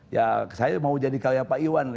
ya saya mau jadi kayak pak iwan